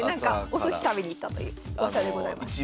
おすし食べに行ったといううわさでございます。